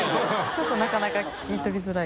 ちょっとなかなか聞き取りづらい。